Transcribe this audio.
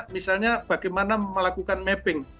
misalnya bagaimana melakukan mapping